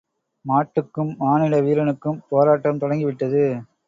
மாட்டுக்கும் மானிட வீரனுக்கும் போராட்டம் தொடங்கிவிட்டது.